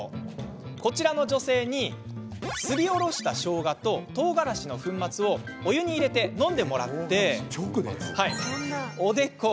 こちらの女性にすりおろした、しょうがととうがらしの粉末をお湯に入れて飲んでもらいました。